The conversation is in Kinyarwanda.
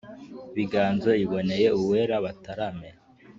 B’inganzo iboneye Uwera batarame